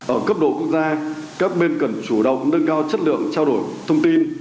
ở cấp độ quốc gia các bên cần chủ động nâng cao chất lượng trao đổi thông tin